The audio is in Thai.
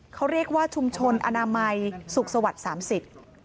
เขาเรียกว่าชุมชนอนามัยสุขสวรรค์๓๐